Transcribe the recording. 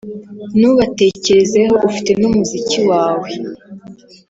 ntubatekerezeho, ufite n'umuziki wawe